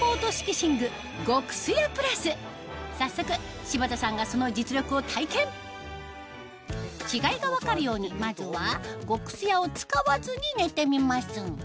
早速柴田さんがその実力を体験違いが分かるようにまずは「極すや」を使わずに寝てみます